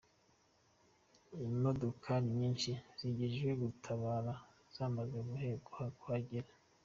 Imodokari nyinhsi zijejwe gutabara zamaze kuhagera .